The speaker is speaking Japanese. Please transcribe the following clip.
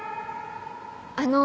あの。